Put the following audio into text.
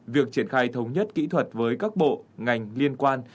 việc triển khai thống nhất kỹ thuật với các bộ ngành liên quan